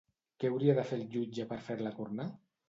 Què hauria de fer el jutge per fer-la tornar?